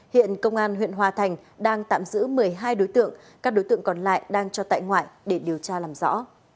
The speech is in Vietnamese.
hiện công an huyện hòa thành đang tạm giữ một mươi hai đối tượng các đối tượng còn lại đang cho tại ngoại để điều tra làm rõ